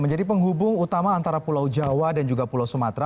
menjadi penghubung utama antara pulau jawa dan juga pulau sumatera